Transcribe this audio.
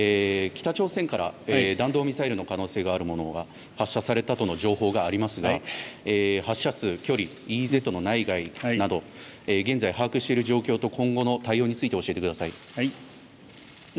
北朝鮮から弾道ミサイルの可能性があるものが発射されたとの情報がありますが発射する距離、ＥＥＺの内外など現在、把握している状況と今後の対応について教えてください。